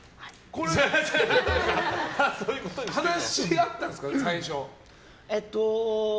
話し合ったんですか？